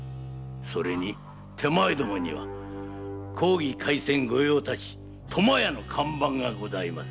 それに手前どもには「公儀廻船御用達苫屋」の看板がございます。